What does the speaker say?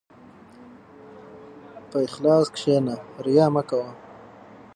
په اخلاص کښېنه، ریا مه کوه.